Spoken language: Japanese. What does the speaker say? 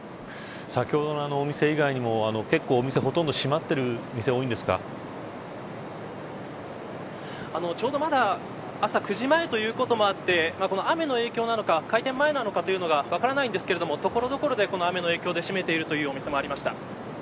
先ほどのお店以外にもお店はほとんど閉まっている店がちょうど、まだ朝９時前ということもあって雨の影響なのか開店前なのかが分からないんですけれども所々で雨の影響で閉めているというお店もありました。